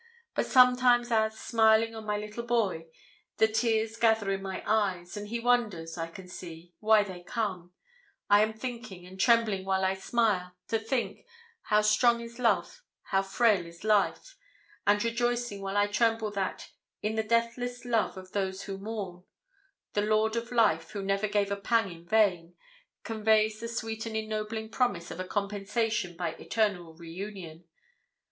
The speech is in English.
But sometimes as, smiling on my little boy, the tears gather in my eyes, and he wonders, I can see, why they come, I am thinking and trembling while I smile to think, how strong is love, how frail is life; and rejoicing while I tremble that, in the deathless love of those who mourn, the Lord of Life, who never gave a pang in vain, conveys the sweet and ennobling promise of a compensation by eternal reunion.